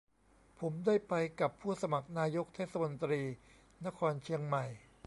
ผมได้ไปกับผู้สมัครนายกเทศมนตรีนครเชียงใหม่